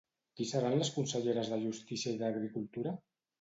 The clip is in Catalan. Qui seran les conselleres de Justícia i d'Agricultura?